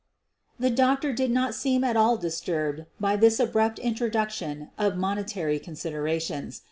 The doctor did not seem at all disturbed by this abrupt introduction of monetary considerations.